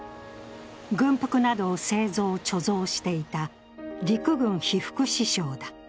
軍服などを製造・貯蔵していた陸軍被服支廠だ。